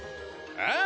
ああ。